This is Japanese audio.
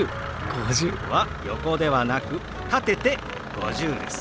５０。は横ではなく立てて「５０」です。